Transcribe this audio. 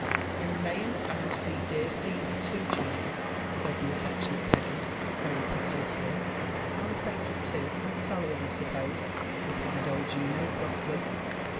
And mayn't I see dear Cssar too, Junof ' said the sififectlonate ^•ggT» verypileously. '* And Beoky too« Hind Sally, I suppose I" replied old Juno eroasly.